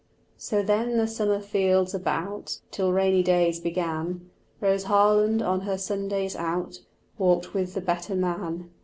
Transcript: So then the summer fields about, Till rainy days began, Rose Harland on her Sundays out Walked with the better man.